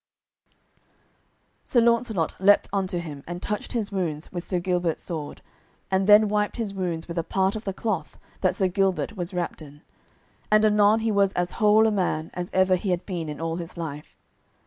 Sir Launcelot leaped unto him and touched his wounds with Sir Gilbert's sword, and then wiped his wounds with a part of the cloth that Sir Gilbert was wrapped in, and anon he was as whole a man as ever he had been in all his life.